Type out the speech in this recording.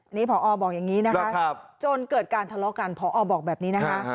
นี่พอบอกอย่างนี้นะคะจนเกิดการทะเลาะกันพอบอกแบบนี้นะคะ